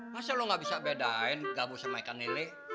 masa lo gak bisa bedain gabung sama ikan lele